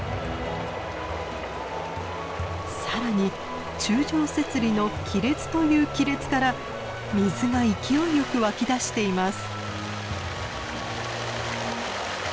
更に柱状節理の亀裂という亀裂から水が勢いよく湧き出しています。